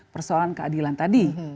persoalan keadilan tadi